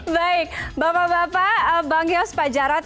baik bapak bapak bang yos pak jarod